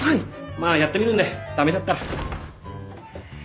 まっやってみるんで駄目だったら。